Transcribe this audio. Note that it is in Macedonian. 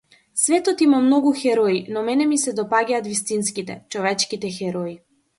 Светот има многу херои, но мене ми се допаѓаат вистинските, човечките херои.